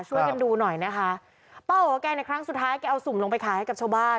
ช่วยกันดูหน่อยนะคะป้าบอกว่าแกในครั้งสุดท้ายแกเอาสุ่มลงไปขายให้กับชาวบ้าน